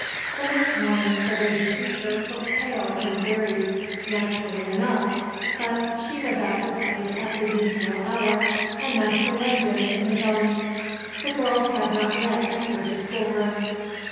The next morning the lady teacher looked pale and wearied, naturally enough, but she was in her place at the usual hour, and Master Langdon in his own. The girls had not yet entered the school room.